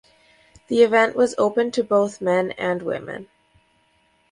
The event was open to both men and women.